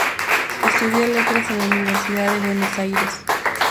Estudió Letras en la Universidad de Buenos Aires.